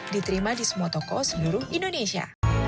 diterima di semua toko seluruh indonesia